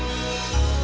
jangan lupa untuk mencoba